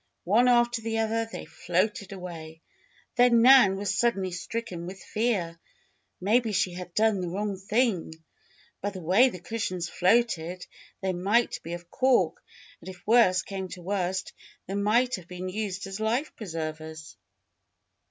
One after the other they floated away. Then Nan was suddenly stricken with fear. Maybe she had done the wrong thing. By the way the cushions floated they might be of cork and if worse came to worst, they might have been used as life preservers.